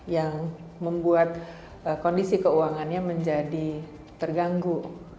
yang membuat kondisi keuangannya menjadi terganggu